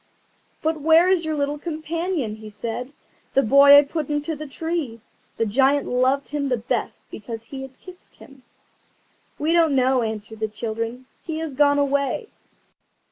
"But where is your little companion?" he said: "the boy I put into the tree." The Giant loved him the best because he had kissed him. "We don't know," answered the children; "he has gone away."